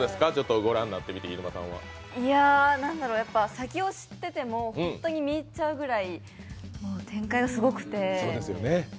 先を知ってても見入っちゃうぐらい展開がすごくて。